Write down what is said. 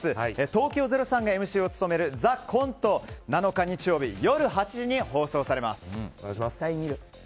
東京０３がＭＣを務める「ＴＨＥＣＯＮＴＥ」７日、日曜日夜８時に放送されます。